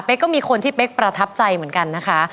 ก็มีคนที่เป๊กประทับใจเหมือนกันนะคะ